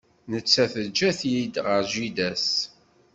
Netta teǧǧa-t-id ɣer jida-s.